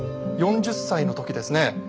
４０歳の時ですね